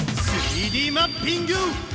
３Ｄマッピング！